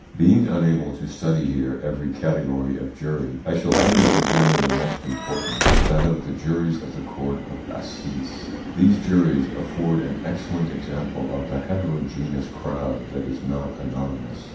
Being unable to study here every category of jury, I shall only examine the most important that of the juries of the Court of Assize. These juries afford an excellent example of the heterogeneous crowd that is not anonymous.